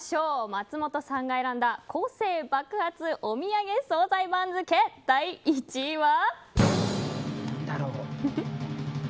松本さんが選んだ個性爆発おみやげ総菜番付第１位は。